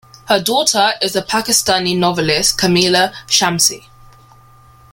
Her daughter is the Pakistani novelist Kamila Shamsie.